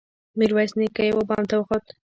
ميرويس نيکه يوه بام ته وخوت.